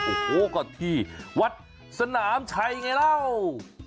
อู้โฮกลับที่วัดสนามชัยไงยังแล้ว